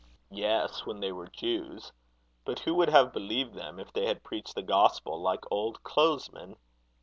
"Yes, when they were Jews. But who would have believed them if they had preached the gospel like old clothesmen?